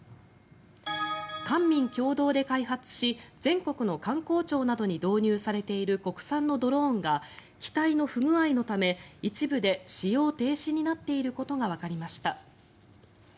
官民共同で開発し全国の官公庁などに導入されている国産のドローンが機体の不具合のため一部で使用停止になっていることがわかりました。